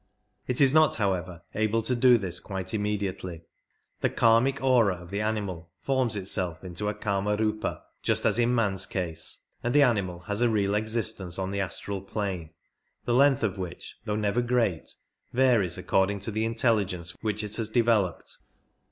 It is not, however, able to do this quite immediately ; the kamic aura of the animal forms itself into a KamarCipa, just as in man's case, and the animal has a real existence on the astral plane, the length of which, though never great. 57 varies according to the intelligence which it has developed.